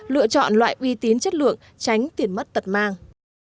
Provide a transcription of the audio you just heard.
lựa chọn loại uy tín chất lượng tránh tiền mất tật mang